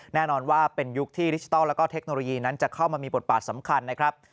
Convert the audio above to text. แน่นอนว่าเป็นยุคที่ดิจิทัลแล้วก็เทคโนโลยีนั้นจะเข้ามามีบทบาทสำคัญนะครับ